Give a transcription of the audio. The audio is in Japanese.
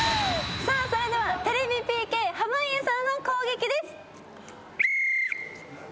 それではテレビＰＫ濱家さんの攻撃です。